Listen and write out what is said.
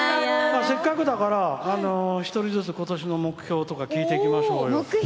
せっかくだから１人ずつことしの目標とか聞いていきましょうよ。